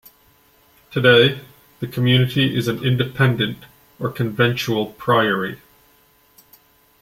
Today, the community is an Independent or Conventual Priory.